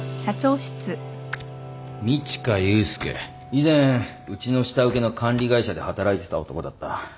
以前うちの下請けの管理会社で働いてた男だった。